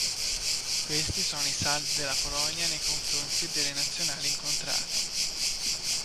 Questi sono i saldi della Polonia nei confronti delle Nazionali incontrate.